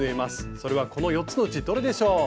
それはこの４つのうちどれでしょう？